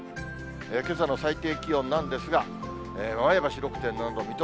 けさの最低気温なんですが、前橋６．７度、水戸